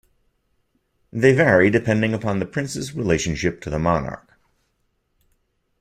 They vary depending upon the prince's relationship to the monarch.